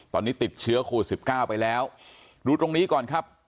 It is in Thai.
ตอนนี้ติดเชื้อโควิดสิบเก้าไปแล้วดูตรงนี้ก่อนครับ